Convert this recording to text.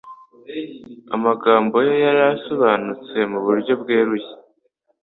Amagambo Ye yari asobanutse mu buryo bweruye